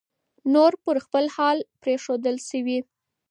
نور پر خپل حال پرېښودل شوی